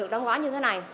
đóng gói như thế này